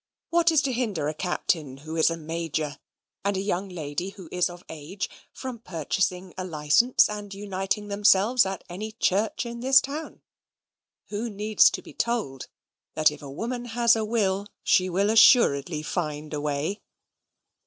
What is to hinder a Captain who is a major, and a young lady who is of age, from purchasing a licence, and uniting themselves at any church in this town? Who needs to be told, that if a woman has a will she will assuredly find a way?